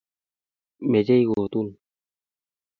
Mechei kotun